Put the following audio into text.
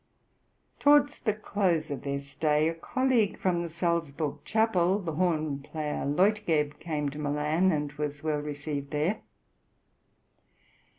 Towards the close of their stay a colleague from the Salzburg chapel, the horn player Leutgeb, came to Milan, and was well received there.